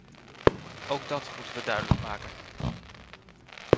Ook dat moeten we duidelijk maken.